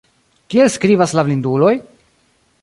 Kiel skribas la blinduloj?